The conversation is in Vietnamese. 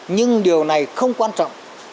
nhưng điều này không quan trọng